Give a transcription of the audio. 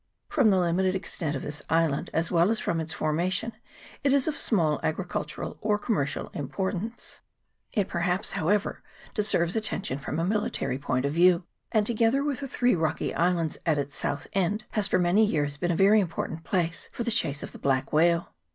From the limited extent of this island, as well as from its formation, it is of small agricultural or commercial importance. It perhaps, however, de serves attention in a military point of view ; and, together with the three rocky islands at its south end, has for many years been a very important place CHAP. IV.] WHALING STATIONS. 109 for the chase of the black whale.